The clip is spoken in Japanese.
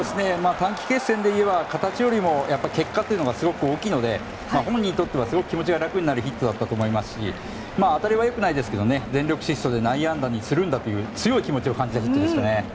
短期決戦でいえば形よりも結果というものがすごく大きいので本人にとっては、気持ちが楽になるヒットだったと思いますし当たりは良くないですが全力疾走で内野安打にするんだと強い気持ちを感じられましたね。